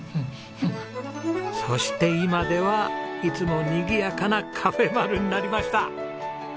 そして今ではいつもにぎやかなカフェまる。になりました。